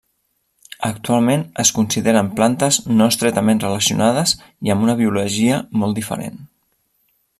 Actualment es consideren plantes no estretament relacionades i amb una biologia molt diferent.